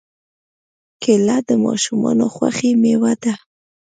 کېله د ماشومانو خوښې مېوه ده.